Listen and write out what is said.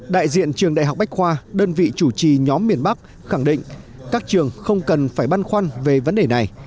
đại diện trường đại học bách khoa đơn vị chủ trì nhóm miền bắc khẳng định các trường không cần phải băn khoăn về vấn đề này